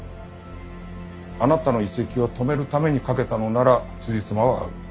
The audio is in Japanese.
あなたの移籍を止めるためにかけたのならつじつまは合う。